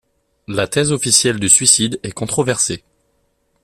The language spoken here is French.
La thèse officielle du suicide est controversée.